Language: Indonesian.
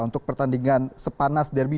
untuk pertandingan sepanas derby